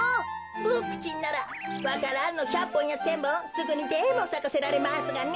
ボクちんならわか蘭の１００ぽんや１，０００ぼんすぐにでもさかせられますがね。